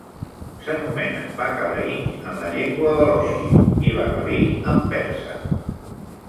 S'anomenen "bakalaink" en la llengua balochi, i "baghalee" en persa.